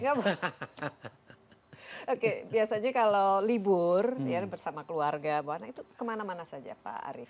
gak boleh oke biasanya kalau libur bersama keluarga itu kemana mana saja pak arief